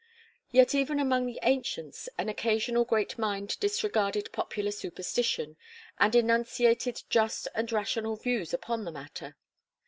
Yet, even among the ancients an occasional great mind disregarded popular superstition, and enunciated just and rational views upon the matter.